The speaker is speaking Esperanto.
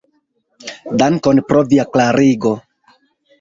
Dankon pro via klarigo!